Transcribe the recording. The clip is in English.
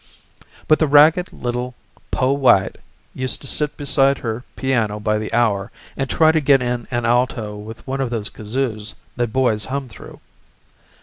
But the ragged little "poh white" used to sit beside her piano by the hour and try to get in an alto with one of those kazoos that boys hum through.